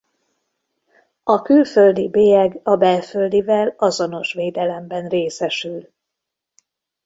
A külföldi bélyeg a belföldivel azonos védelemben részesül.